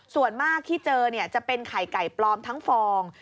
ส่วนมากที่เจอจะเป็นไข่ไก่ปลอมทั้งฟอง